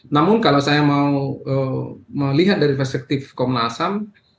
namun kalau saya mau melihat dari perspektif komnas ham